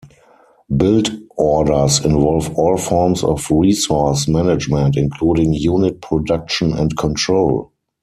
Build orders involve all forms of resource management, including unit production and control.